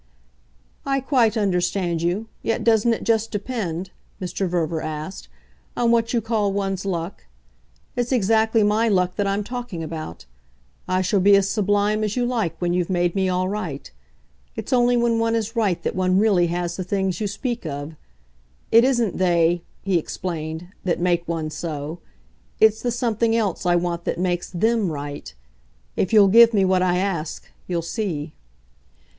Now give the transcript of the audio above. "I quite understand you yet doesn't it just depend," Mr. Verver asked, "on what you call one's luck? It's exactly my luck that I'm talking about. I shall be as sublime as you like when you've made me all right. It's only when one is right that one really has the things you speak of. It isn't they," he explained, "that make one so: it's the something else I want that makes THEM right. If you'll give me what I ask, you'll see."